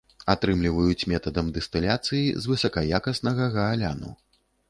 Атрымліваюць метадам дыстыляцыі з высакаякаснага гааляну.